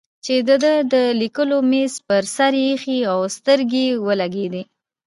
چې د ده د لیکلو د مېز پر سر ایښی و سترګې ولګېدې.